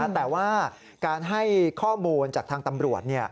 แต่ว่าการให้ข้อมูลจากทางตำรวจ